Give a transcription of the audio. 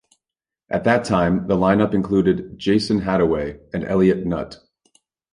At that time, the line-up included Jasun Hadaway and Elliott Nutt.